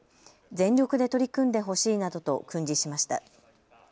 全力で取り組んでほしいなどと訓示しました。